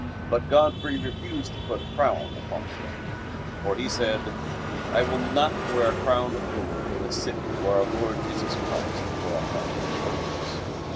But Godfrey refused to put a crown upon his head. For, he said, "I will not wear a crown of gold in the city where Our Lord Jesus Christ wore a crown of thorns."